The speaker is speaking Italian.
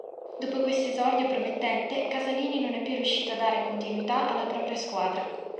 Dopo quest'esordio promettente, Casalini non è più riuscito a dare continuità alla propria squadra.